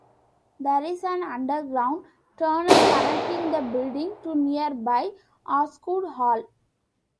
There is an underground tunnel connecting the building to nearby Osgoode Hall.